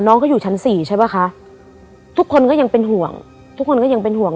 น้องเขาอยู่ชั้นสี่ใช่ป่ะคะทุกคนก็ยังเป็นห่วงทุกคนก็ยังเป็นห่วง